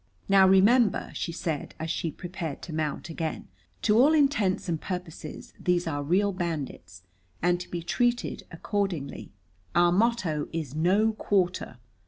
"Now, remember," she said as she prepared to mount again, "to all intents and purposes these are real bandits and to be treated accordingly. Our motto is 'No quarter.'